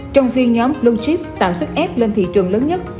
trong phiên nhóm blue tạo sức ép lên thị trường lớn nhất